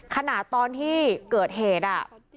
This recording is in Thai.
ขณะตอนที่เกิดเหตุ